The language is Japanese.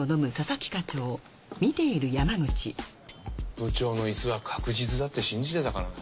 部長の椅子は確実だって信じてたからな。